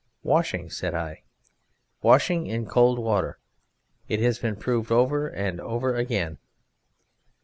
"Washing," said I, "washing in cold water. It has been proved over and over again."